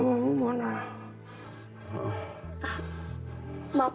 tante gak usah takut